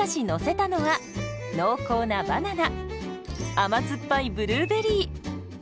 甘酸っぱいブルーベリー。